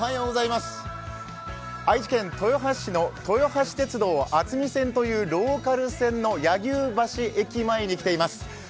愛知県豊橋市の豊橋鉄道のローカル線の駅前に来ています。